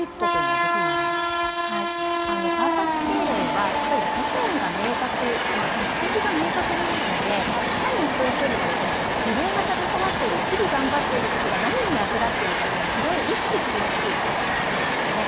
はい、あのパーパス経営はやっぱりビジョンが明確目的が明確になるので、社員１人１人がですね、自分が携わっている日々頑張っていることが何に役立っているかというのは非常に意識しやすいですよね